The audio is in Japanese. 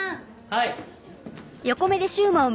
はい。